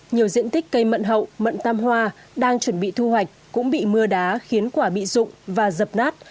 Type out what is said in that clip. nhiều diện tích cây mận hậu mận tam hoa đang chuẩn bị thu hoạch cũng bị mưa đá khiến quả bị dụng và dập nát